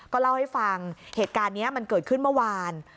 ก็เล่าให้ฟังเหตุการณ์นี้มันเกิดขึ้นเมื่อวาน